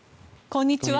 こんにちは。